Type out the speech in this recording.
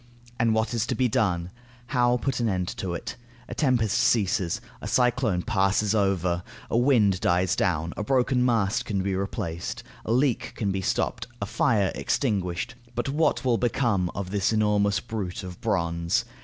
And what is to be done? How put an end to it? A tempest ceases, a cyclone passes over, a wind dies down, a broken mast can be replaced, a leak can be stopped, a fire extinguished, but what will become of this enormous brute of bronze.